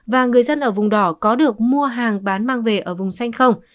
và người dân ở vùng đỏ có được mua hàng bán mang về ở vùng xanh không